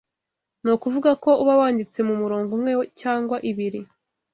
Ni ukuvuga ko uba wanditse mu murongo umwe cyangwa ibiri